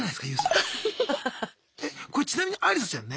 これちなみにアリサちゃんね